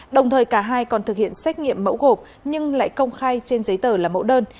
đồng thời cả hai còn thực hiện xét nghiệm mẫu gộp nhưng lại công khai trên giấy tờ là mẫu đơn